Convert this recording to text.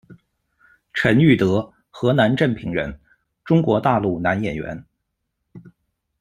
陈裕德，河南镇平人，中国大陆男演员。